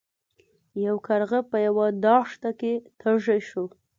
یو کارغه په یوه دښته کې تږی شو.